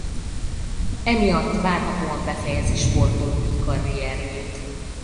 Emiatt várhatóan befejezi sportolói karrierjét.